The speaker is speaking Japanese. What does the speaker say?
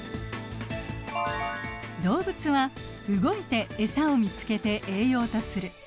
動物は動いてエサを見つけて栄養とする。